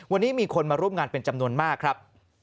วันนี้มีคนมาร่วมงานเป็นจำนวนมากครับ